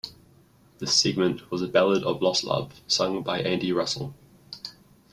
This segment was a ballad of lost love, sung by Andy Russell.